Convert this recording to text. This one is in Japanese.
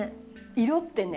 色ってね